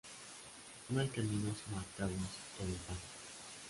No hay caminos marcados en el parque.